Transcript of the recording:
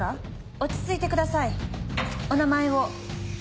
落ち着いてくださいお名前を。